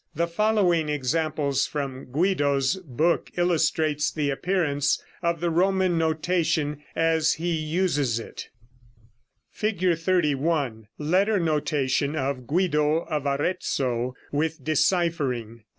The following example from Guido's book illustrates the appearance of the Roman notation as he uses it: [Music illustration: Fig. 31. LETTER NOTATION OF GUIDO OF AREZZO, WITH DECIPHERING.